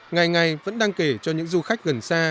ngày ngày vẫn đang kể cho những du khách gần xa